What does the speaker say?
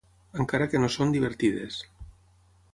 "Encara que no són divertides."